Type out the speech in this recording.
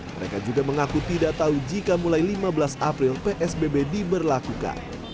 mereka juga mengaku tidak tahu jika mulai lima belas april psbb diberlakukan